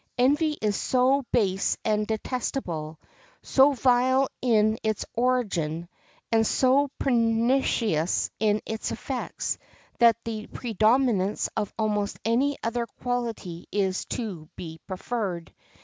Envy is so base and detestable, so vile in its origin, and so pernicious in its effects, that the predominance of almost any other quality is to be preferred.